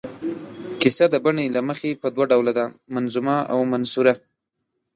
کیسه د بڼې له مخې په دوه ډوله ده، منظومه او منثوره.